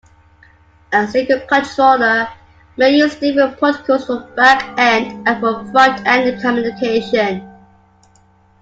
A single controller "may" use different protocols for back-end and for front-end communication.